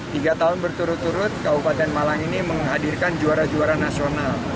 tiga tahun berturut turut kabupaten malang ini menghadirkan juara juara nasional